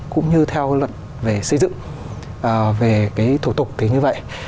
cũng như theo luật về xây dựng về cái thủ tục thì như vậy